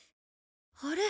あれ？